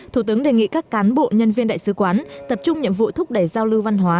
thủ tướng đề nghị các cán bộ nhân viên đại sứ quán tập trung nhiệm vụ thúc đẩy giao lưu văn hóa